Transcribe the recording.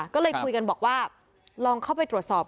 ก็เลยคุยกันบอกว่าลองเข้าไปตรวจสอบ